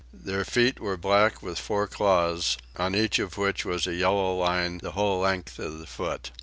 Their feet were black with four claws, on each of which was a yellow line the whole length of the foot.